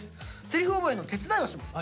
「台詞覚えの手伝いをします！」。